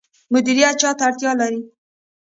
مدیریت چا ته اړتیا لري؟